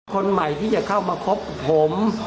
คนใหม่ที่จะเข้ามาคบผม